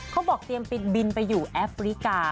เขาบอกเตรียมบินไปอยู่แอฟริกา